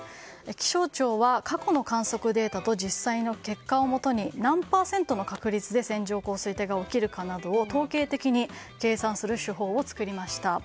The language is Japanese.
気象庁は過去の観測データと実際の結果をもとに何パーセントの確率で線状降水帯が起きるかなどを統計的に計算する手法を作りました。